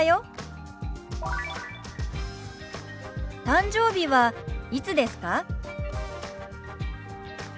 誕生日はいつですか？